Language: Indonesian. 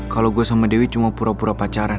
kalau gue sama dewi cuma pura pura pacaran